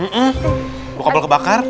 bawa kabel kebakar